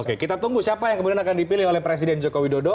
oke kita tunggu siapa yang kemudian akan dipilih oleh presiden joko widodo